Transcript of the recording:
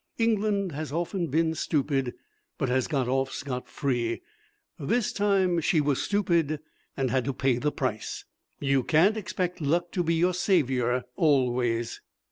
England has often been stupid, but has got off scot free. This time she was stupid and had to pay the price. You can't expect Luck to be your saviour always.